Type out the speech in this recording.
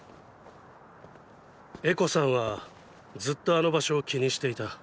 エコさんはずっとあの場所を気にしていた。